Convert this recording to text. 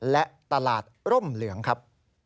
และตลาดร่มเหลืองครับ